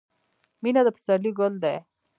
• مینه د پسرلي ګل دی.